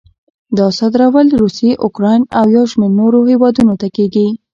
دا صادرول روسیې، اوکراین او یو شمېر نورو هېوادونو ته کېږي.